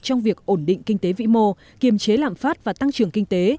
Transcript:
trong việc ổn định kinh tế vĩ mô kiềm chế lạm phát và tăng trưởng kinh tế